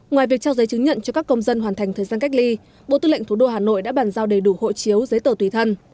ngoài việc trao giấy chứng nhận cho các công dân hoàn thành thời gian cách ly bộ tư lệnh thủ đô hà nội đã bàn giao đầy đủ hộ chiếu giấy tờ tùy thân